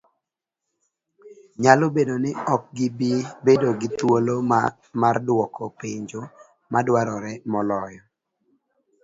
Nyalo bedo ni ok gibi bedo gi thuolo mardwoko penjo madwarore moloyo.